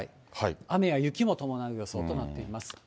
雨や雪も伴う予想となっています。